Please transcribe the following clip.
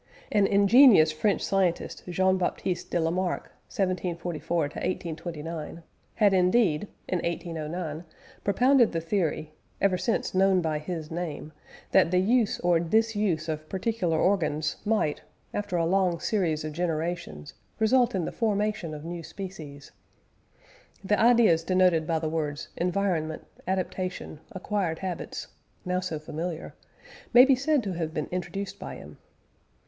An ingenious French scientist, J. Baptiste de Lamarck (1744 1829) had indeed, in 1809, propounded the theory ever since known by his name that the use or disuse of particular organs might, after a long series of generations, result in the formation of new species. (The ideas denoted by the words "environment," "adaptation," "acquired habits" now so familiar may be said to have been introduced by him).